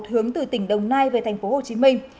hướng từ tỉnh đồng nai về thành phố hồ chí minh